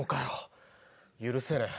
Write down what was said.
許せねえ。